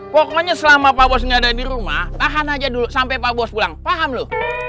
pokoknya selama pak bos ini ada di rumah tahan aja dulu sampai pak bos bilang paham loh